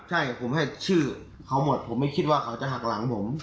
ใช่ผมให้ชื่อเขาหมดผมไม่คิดว่าเขาจะหักหลังผม